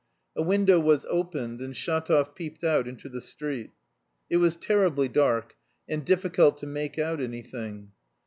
A window was opened and Shatov peeped out into the street. It was terribly dark, and difficult to make out anything.